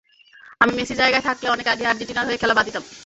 আমি মেসির জায়গায় থাকলে অনেক আগেই আর্জেন্টিনার হয়ে খেলা বাদ দিতাম।